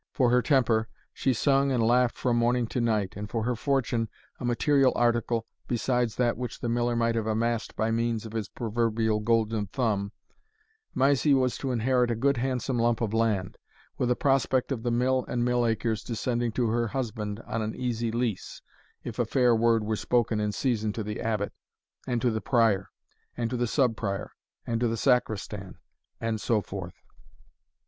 For her temper, she sung and laughed from morning to night; and for her fortune, a material article, besides that which the Miller might have amassed by means of his proverbial golden thumb, Mysie was to inherit a good handsome lump of land, with a prospect of the mill and mill acres descending to her husband on an easy lease, if a fair word were spoken in season to the Abbot, and to the Prior, and to the Sub Prior, and to the Sacristan, and so forth.